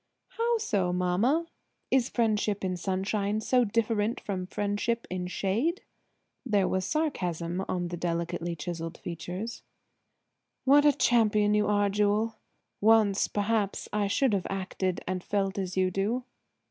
"How so, mamma? Is friendship in sunshine so different from friendship in shade?" There was sarcasm on the delicately chisseled features. "What a champion you are, Jewel; once, perhaps, I should have acted and felt as you do."